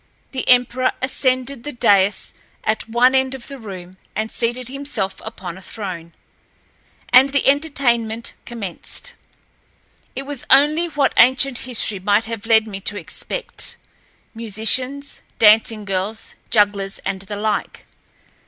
The emperor ascended a dais at one end of the room and seated himself upon a throne, and the entertainment commenced. It was only what ancient history might have led me to expect—musicians, dancing girls, jugglers, and the like.